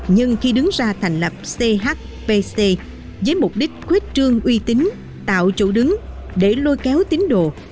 nhưng khi đứng ra thành lập chpc với mục đích khuết trương uy tín tạo chỗ đứng để lôi kéo tín đồ